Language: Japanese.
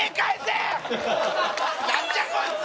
なんじゃこいつ！